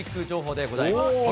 情報でございます。